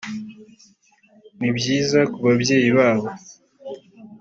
ni byiza ku babyeyi babo